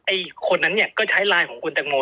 ไอ้คนนั้นเนี่ยก็ใช้ไลน์ของคุณตังโม